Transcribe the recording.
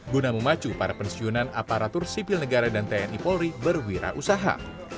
guna memacu para pensiunan aparatur sipil negara dan tni polri berwirausaha